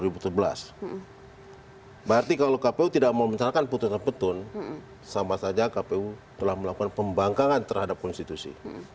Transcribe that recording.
berarti kalau kpu tidak mau mencanakan putusan petun sama saja kpu telah melakukan pembangkangan terhadap konstitusi